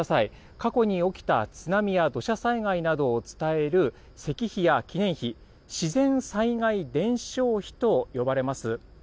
過去に起きた津波や土砂災害などを伝える石碑や記念碑、自然災害伝承碑と呼ばれます。